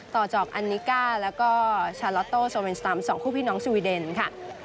ต่อจากอันนิก้าแล้วก็ชาลอตโต้โซเวนสตัม๒คู่พี่น้องสวีเดนค่ะ